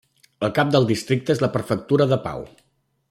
El cap del districte és la prefectura de Pau.